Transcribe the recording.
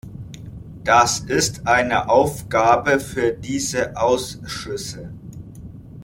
Das ist eine Aufgabe für diese Ausschüsse.